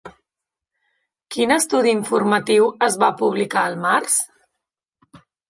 Quin estudi informatiu es va publicar al març?